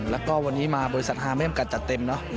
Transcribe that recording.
แล้วก็วันนี้มาบริษัทฮาไม่จำกัดจัดเต็มเนอะ